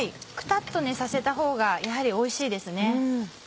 クタっとさせたほうがやはりおいしいですね。